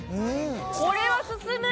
これは進む！